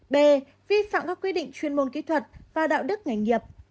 b vi phạm các quy định chuyên môn kỹ thuật và đạo đức nghề nghiệp